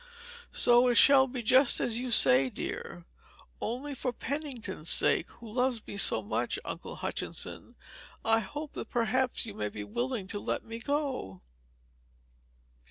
So it shall be just as you say, dear; only for Pennington's sake, who loves me so much, Uncle Hutchinson, I hope that perhaps you may be willing to let me go."